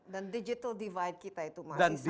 dan digital divide kita itu masih sangat jauh